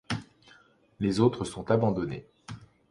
Les autres sont abandonnés.